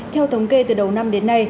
theo thống kê từ đầu năm đến nay